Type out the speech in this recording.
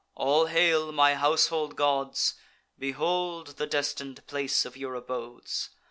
all hail, my household gods! Behold the destin'd place of your abodes!